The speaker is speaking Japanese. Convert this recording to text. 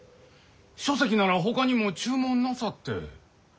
書籍ならほかにも注文なさって。